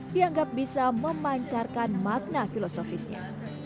dianggap bisa memancarkan makna filosofisnya